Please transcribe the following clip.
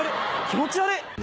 気持ち悪い！